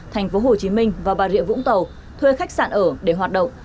thành phố hồ chí minh và bà rịa vũng tàu thuê khách sạn ở để hoạt động